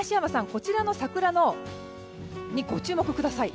こちらの桜にご注目ください。